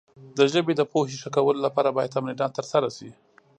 د ژبې د پوهې ښه کولو لپاره باید تمرینات ترسره شي.